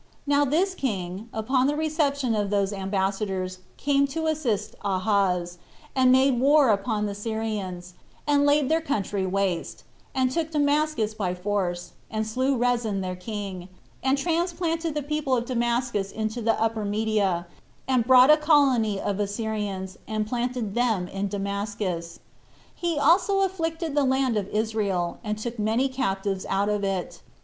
Now this king, upon the reception of those ambassadors, came to assist Ahaz, and made war upon the Syrians, and laid their country waste, and took Damascus by force, and slew Rezin their king, and transplanted the people of Damascus into the Upper Media, and brought a colony of Assyrians, and planted them in Damascus. He also afflicted the land of Israel, and took many captives out of it.